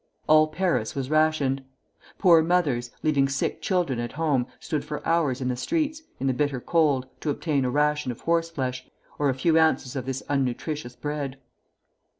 All Paris was rationed. Poor mothers, leaving sick children at home, stood for hours in the streets, in the bitter cold, to obtain a ration of horseflesh, or a few ounces of this unnutritious bread.